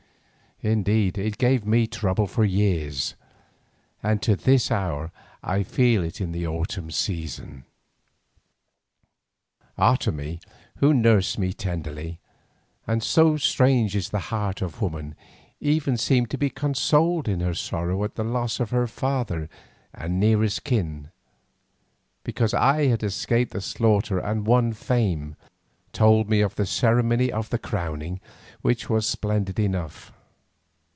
Indeed it gave me trouble for years, and to this hour I feel it in the autumn season. Otomie, who nursed me tenderly, and so strange is the heart of woman, even seemed to be consoled in her sorrow at the loss of her father and nearest kin, because I had escaped the slaughter and won fame, told me of the ceremony of the crowning, which was splendid enough.